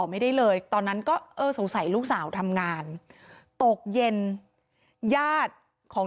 ไม่ได้เลยตอนนั้นก็เออสงสัยลูกสาวทำงานตกเย็นญาติของ